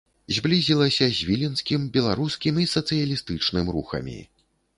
Зблізілася з віленскім беларускім і сацыялістычным рухамі.